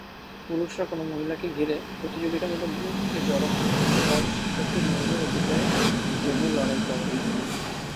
পুরুষরা কোনও মহিলাকে ঘিরে "প্রতিযোগিতামূলক গ্রুপ" এ জড়ো হন এবং তার সাথে সঙ্গমের অধিকারের জন্য লড়াই করেন।